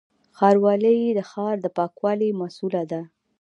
ښاروالي د ښار د پاکوالي مسووله ده